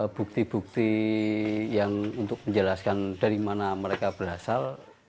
bukti bukti yang untuk menjelaskan dari mana mereka berasal